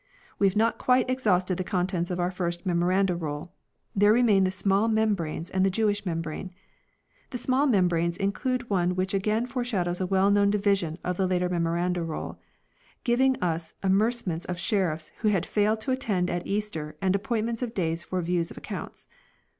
We have not quite exhausted the contents of our first Memoranda Roll : there remain the small membranes and the Jewish membrane. The small membranes include one which again foreshadows a well known division of the later Memoranda Roll, giving us amercements of sheriffs who had failed to attend at Easter and appointments of days for views of accounts.